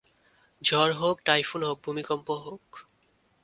ঝড় হোক, টাইফুন হোক, ভূমিকম্প হোক।